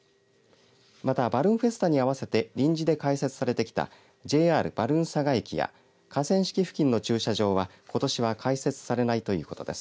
またバルーンフェスタに合わせて臨時で開設されてきたＪＲバルーンさが駅や河川敷付近の駐車場はことしは開設されないということです。